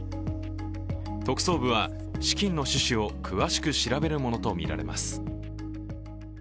特捜部は資金の趣旨を詳しく調べるものとみられます。